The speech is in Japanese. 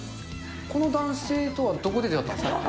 この男性とはどこで出会ったんですか？